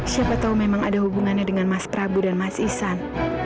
siapa tahu memang ada hubungannya dengan mas prabu dan mas isan